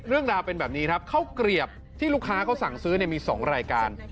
เรื่องราวเป็นแบบนี้ครับข้าวเกลียบที่ลูกค้าเขาสั่งซื้อมี๒รายการ